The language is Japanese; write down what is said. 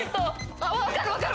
あっ分かる分かる。